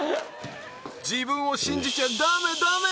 自分を信じちゃダメダメ！